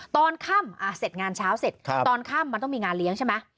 ตอนค่ำเสร็จงานเช้าเสร็จตอนค่ำมันต้องมีงานเลี้ยงใช่ไหม